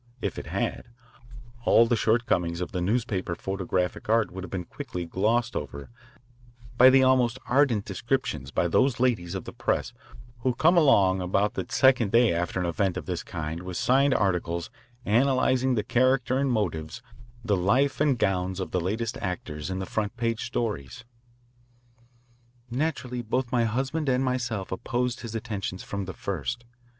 If it had, all the shortcomings of the newspaper photographic art would have been quickly glossed over by the almost ardent descriptions by those ladies of the press who come along about the second day after an event of this kind with signed articles analysing the character and motives, the life and gowns of the latest actors in the front page stories. "Naturally both my husband and myself opposed his attentions from the first.